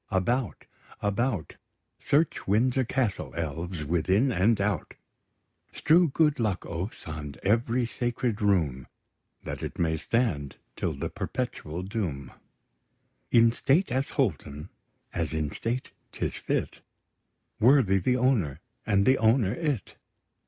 About, about; Search Windsor Castle, elves, within and out: Strew good luck, ouphes, on every sacred room! That it may stand till the perpetual doom, In state as wholesome, as in state 'tis fit Worthy the owner, and the owner it.